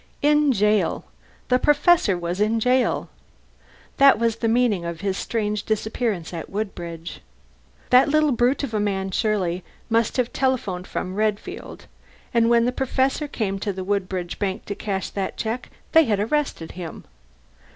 "In jail." The Professor in jail! That was the meaning of his strange disappearance at Woodbridge. That little brute of a man Shirley must have telephoned from Redfield, and when the Professor came to the Woodbridge bank to cash that check they had arrested him.